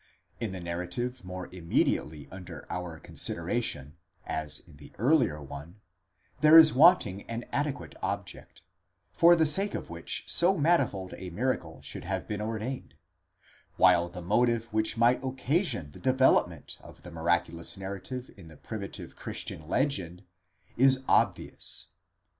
In the narrative more imme diately under our consideration, as in the earlier one, there is wanting an adequate object, for the sake of which so manifold a miracle should have been ordained ; while the motive which might occasion the development of the miraculous narrative in the primitive Christian legend is obvious.